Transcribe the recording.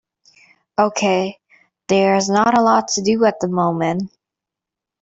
Okay, there is not a lot to do at the moment.